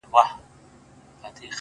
مرگ دی که ژوند دی’